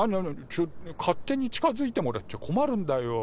ちょっと勝手に近づいてもらっちゃ困るんだよ。